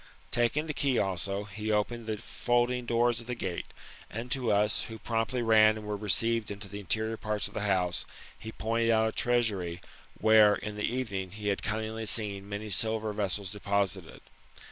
Taking the key also, he opened the folding doors of the gate, and to us, who promptly ran, and were received into the interior parts of the house, he pointed out a treasury, where in the evening, he had cunningly seen many silver vessels deposited.